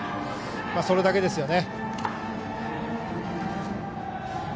それだけですよね。